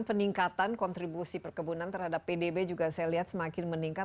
peningkatan kontribusi perkebunan terhadap pdb juga saya lihat semakin meningkat